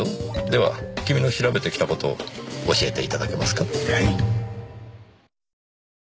では君の調べてきた事を教えていただけますか？